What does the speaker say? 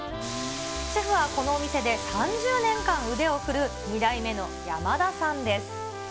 シェフはこのお店で３０年間腕を振るう、２代目の山田さんです。